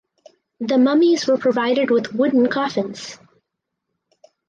The mummies were provided with wooden coffins.